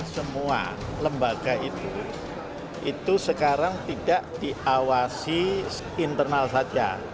semua lembaga itu itu sekarang tidak diawasi internal saja